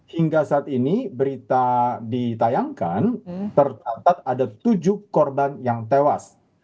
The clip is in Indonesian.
hingga saat ini berita ditayangkan tercatat ada tujuh korban yang tewas